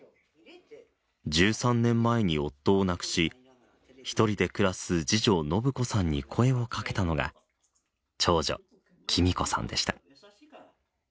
１３年前に夫を亡くし一人で暮らす次女信子さんに声をかけたのが長女貴美子さんでした。